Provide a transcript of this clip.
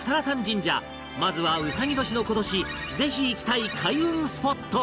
まずは卯年の今年ぜひ行きたい開運スポットへ